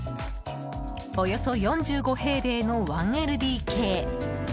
およそ４５平米の１ＬＤＫ。